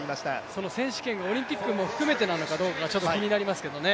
その選手権、オリンピックも含めてなのかが気になりますけどね。